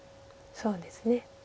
そうですね。